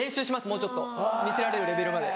もうちょっと見せられるレベルまで。